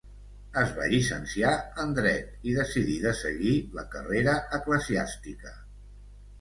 Es va llicenciar en Dret i decidí de seguir la carrera eclesiàstica.